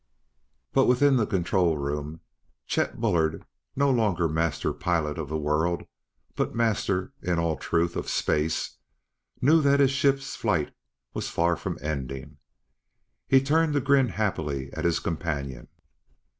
But within the control room, Chet Bullard, no longer Master Pilot of the World, but master, in all truth, of space, knew that his ship's flight was far from ending. He turned to grin happily at his companion.